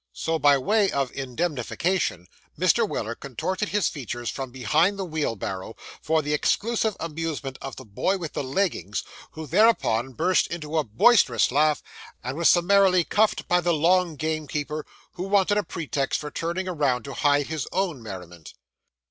So, by way of indemnification, Mr. Weller contorted his features from behind the wheel barrow, for the exclusive amusement of the boy with the leggings, who thereupon burst into a boisterous laugh, and was summarily cuffed by the long gamekeeper, who wanted a pretext for turning round, to hide his own merriment.